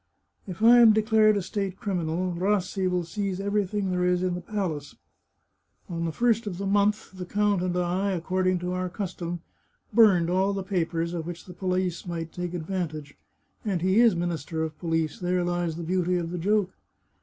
" If I am declared a state criminal, Rassi will seize every thing there is in the palace. On the first of the month, the count and I, according to our custom, burned all the papers of which the police might take advantage — and he is Minister of PoHce ; there lies the beauty of the joke.